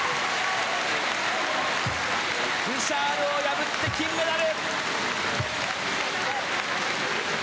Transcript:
ブシャールを破って金メダル！